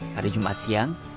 pada jumat siang